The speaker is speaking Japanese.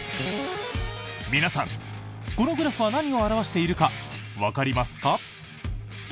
皆さん、このグラフは何を表しているかわかりますか？